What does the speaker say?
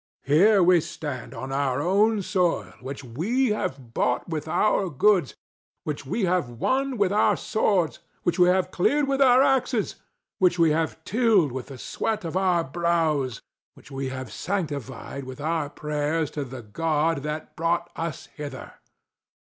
Here we stand on our own soil, which we have bought with our goods, which we have won with our swords, which we have cleared with our axes, which we have tilled with the sweat of our brows, which we have sanctified with our prayers to the God that brought us hither!